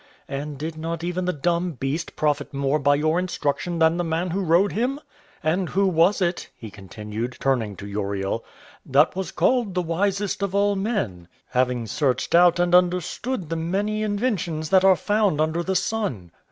And did not even the dumb beast profit more by your instruction than the man who rode him? And who was it," he continued, turning to Uriel, "that was called the wisest of all men, having searched out and understood the many inventions that are found under the sun?